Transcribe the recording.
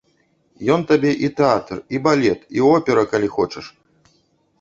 Ён табе і тэатр, і балет, і опера, калі хочаш.